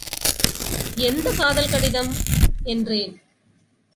எந்த காதல் கடிதம்? என்றேன்.